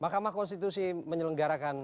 makamah konstitusi menyelenggarakan